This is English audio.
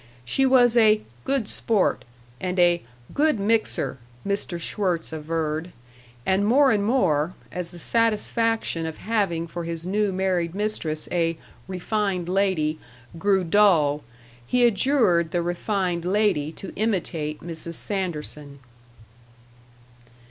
She was a "good sport" and a "good mixer," Mr. Schwirtz averred; and more and more, as the satisfaction of having for his new married mistress a "refined lady" grew dull, he adjured the refined lady to imitate Mrs. Sanderson.